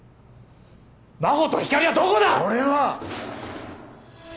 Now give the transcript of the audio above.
真帆と光莉はどこだ！俺は。